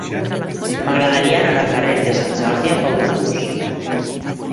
M'agradaria anar al carrer de Sant Jordi amb autobús.